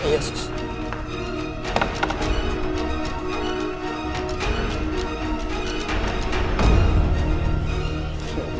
tunggu di sini